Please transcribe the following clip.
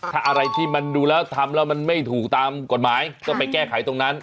ถ้าอะไรที่มันดูแล้วทำแล้วมันไม่ถูกตามกฎหมายก็ไปแก้ไขตรงนั้น